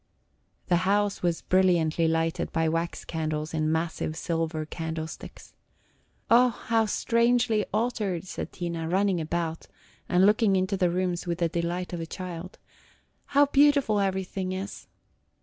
The house was brilliantly lighted by wax candles in massive silver candlesticks. "O, how strangely altered!" said Tina, running about, and looking into the rooms with the delight of a child. "How beautiful everything is!"